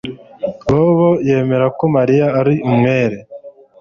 Bobo yemera ko Mariya ari umwere